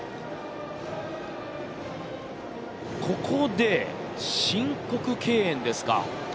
ここで申告敬遠ですか。